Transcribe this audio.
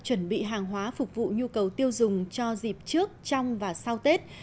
chuẩn bị hàng hóa phục vụ nhu cầu tiêu dùng cho dịp trước trong và sau tết